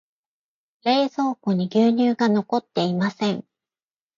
冷蔵庫に牛乳が残っていません。